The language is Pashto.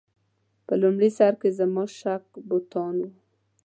په لومړي سر کې زما شک بتان و.